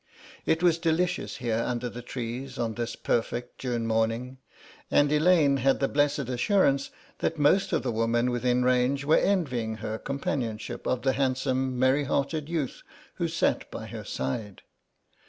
It was delicious here under the trees on this perfect June morning, and Elaine had the blessed assurance that most of the women within range were envying her the companionship of the handsome merry hearted youth who sat by her side.